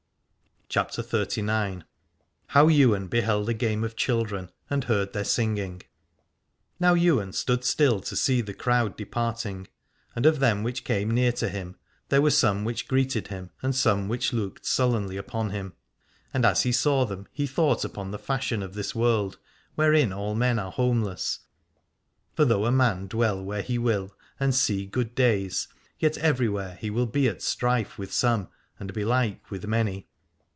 245 CHAPTER XXXIX. HOW YWAIN BEHELD A GAME OF CHILDREN AND HEARD THEIR SINGING. Now Ywain stood still to see the crowd departing, and of them which came near to him there were some which greeted him and some which looked sullenly upon him. And as he saw them he thought upon the fashion of this world, wherein all men are homeless : for though a man dwell where he will and see good days, yet everywhere he will be at strife with some, and belike with many.